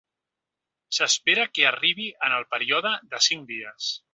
S'espera que arribi en el període de cinc dies.